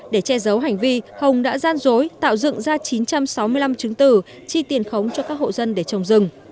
để che giấu hành vi hồng đã gian dối tạo dựng ra chín trăm sáu mươi năm chứng tử chi tiền khống cho các hộ dân để trồng rừng